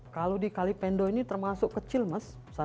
kalau di kalipendo ini termasuk kecil mas